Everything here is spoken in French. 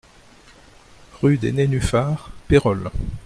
Rue des Nénuphars, Pérols